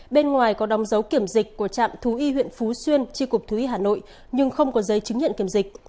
bên ngoài có đóng dấu kiểm dịch của trạm thú y huyện phú xuyên tri cục thú y hà nội nhưng không có giấy chứng nhận kiểm dịch